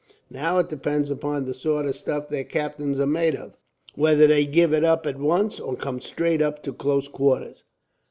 Now it depends upon the sort of stuff their captains are made of, whether they give it up at once, or come straight up to close quarters.